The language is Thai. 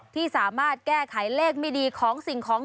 ที่สามารถแก้ไขเลขไม่ดีของสิ่งของ